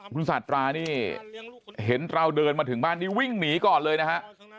คุณสาธานี่เห็นเราเดินมาถึงบ้านนี้วิ่งหนีก่อนเลยนะฮะ